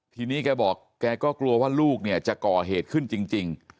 ทีนี้แกบอกแกก็กลัวว่าลูกเนี่ยจะก่อเหตุขึ้นจริง